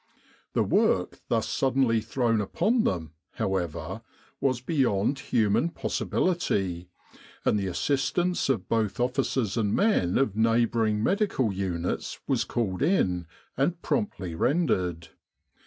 The work thus suddenly thrown upon them, however, was beyond human possibility, and the assistance of both officers and men of neighbouring medical units was called in, and promptly rendered.